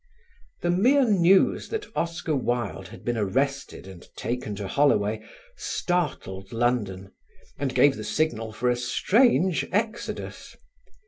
The mere news that Oscar Wilde had been arrested and taken to Holloway startled London and gave the signal for a strange exodus.